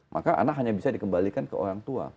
maka anak hanya bisa di kembalikan ke orang tua